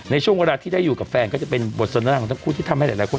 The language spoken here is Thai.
ในช่วงเวลาที่ได้อยู่กับแฟนก็จะเป็นบทสนทนาของทั้งคู่ที่ทำให้หลายคน